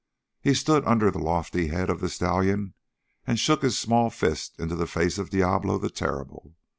He stood under the lofty head of the stallion and shook his small fist into the face of Diablo the Terrible.